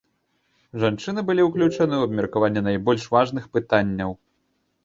Жанчыны былі ўключаны ў абмеркаванне найбольш важных пытанняў.